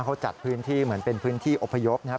เขาจัดพื้นที่เหมือนเป็นพื้นที่อพยพนะครับ